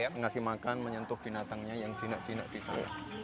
iya ngasih makan menyentuh binatangnya yang jinak jinak di sana